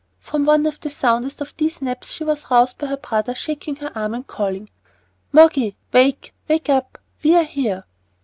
From one of the soundest of these naps she was roused by her brother shaking her arm and calling, "Moggy, wake, wake up! We are here."